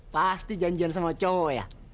pasti janjian sama co ya